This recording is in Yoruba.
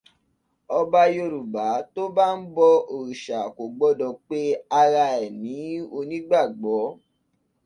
Ọba Yorùbá tó bá ń bọ òrìṣà kò gbọdọ̀ pe ara ẹ̀ ní onígbàgbọ́